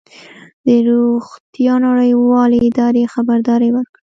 د روغتیا نړیوالې ادارې خبرداری ورکړی